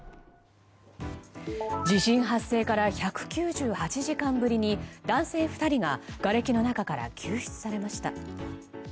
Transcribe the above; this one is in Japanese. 地震発生から１９８時間ぶりに男性２人ががれきの中から救出されました。